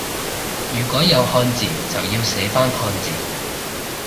如果有漢字就要寫返漢字